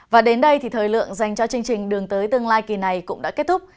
và đến đây thì thời lượng dành cho chương trình đường tới tương lai kỳ này cũng đã kết thúc